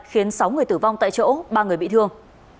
khiến sáu người tử vong tại chỗ ba người bị thương